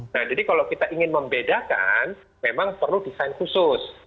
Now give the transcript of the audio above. nah jadi kalau kita ingin membedakan memang perlu desain khusus